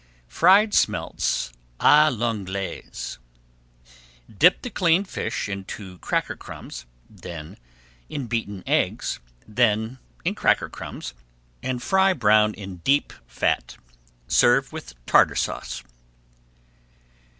FRIED SMELTS À L'ANGLAISE Dip the cleaned fish into cracker crumbs, then in beaten eggs, then in cracker crumbs, and fry brown in deep fat. Serve with Tartar [Page 372] Sauce.